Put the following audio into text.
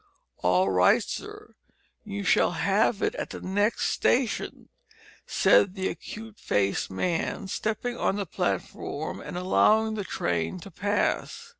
"All right, sir, you shall have it at the next station," said the acute faced man, stepping on the platform and allowing the train to pass.